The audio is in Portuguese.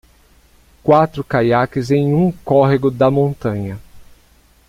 Quatro caiaques em um córrego da montanha.